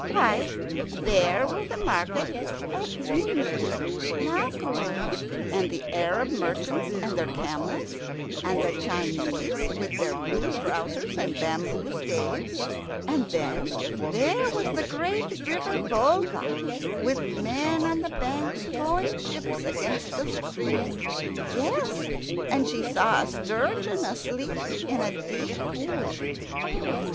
Why, there were the market at Nijni Novgorod, and the Arab merchants with their camels, and the Chinese with their blue trousers and bamboo staves. And then there was the great river Volga, with men on the banks towing ships against the stream. Yes, and she saw a sturgeon asleep in a deep pool. "Oh! oh!